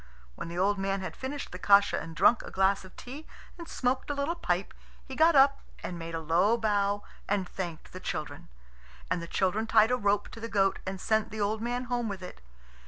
When the old man had finished the kasha and drunk a glass of tea and smoked a little pipe, he got up and made a low bow and thanked the children. And the children tied a rope to the goat and sent the old man home with it.